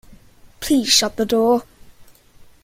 Please shut the door.